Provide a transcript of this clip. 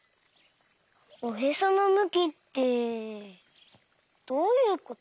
おへそのむきってどういうこと？